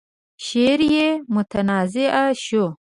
شعر يې متنازعه شو.